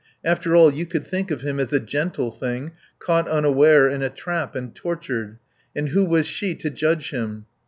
After all, you could think of him as a gentle thing, caught unaware in a trap and tortured. And who was she to judge him?